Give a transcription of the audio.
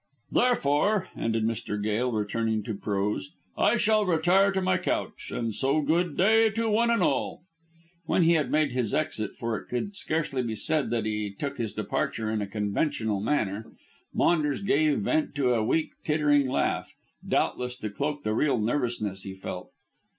"Therefore," ended Mr. Gail, returning to prose, "I shall retire to my couch, and so good day to one and all." When he had made his exit, for it could scarcely be said that he took his departure in a conventional manner, Maunders gave vent to a weak, tittering laugh, doubtless to cloak the real nervousness he felt.